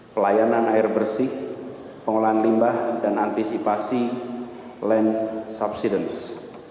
pelayanan air bersih pengelolaan limbah dan antisipasi land subsidence